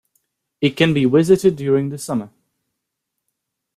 It can be visited during the summer.